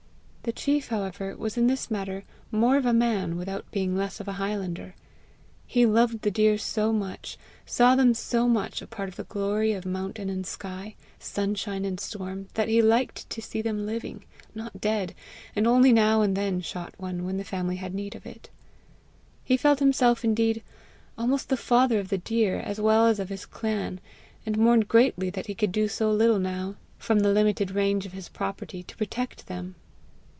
The chief, however, was in this matter more of a man without being less of a highlander. He loved the deer so much, saw them so much a part of the glory of mountain and sky, sunshine and storm, that he liked to see them living, not dead, and only now and then shot one, when the family had need of it. He felt himself indeed almost the father of the deer as well as of his clan, and mourned greatly that he could do so little now, from the limited range of his property, to protect them.